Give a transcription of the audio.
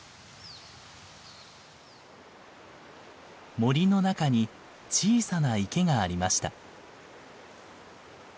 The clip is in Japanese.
森の中に小さな池がありました。